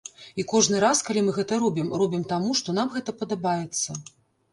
І кожны раз, калі мы гэта робім, робім таму, што нам гэта падабаецца.